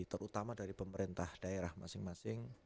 terutama dari pemerintah daerah masing masing